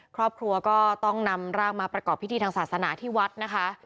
ครอบครัวก็ต้องนำร่างมาประกอบพิธีทางศาสนาที่วัดนะคะ